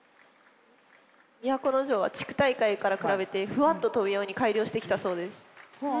都城は地区大会から比べてふわっと飛ぶように改良してきたそうです。